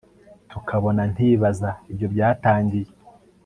tukabona ntibaza ibyo byatangiye